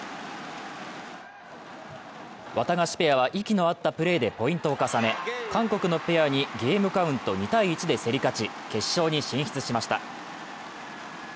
ワタガシペアは、息の合ったプレーでポイントを重ね、韓国のペアにゲームカウント２−１で競り勝ち決勝に進出しました。